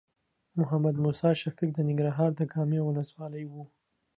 محمد موسی شفیق د ننګرهار د کامې ولسوالۍ و.